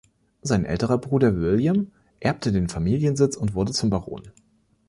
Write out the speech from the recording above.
Sein älterer Bruder William erbte den Familiensitz und wurde zum Baron.